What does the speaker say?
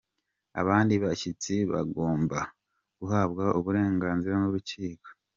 Abandi bashyitsi bagombaga guhabwa uburenganzira n’urukiko.